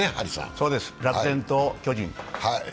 そうです、楽天と巨人。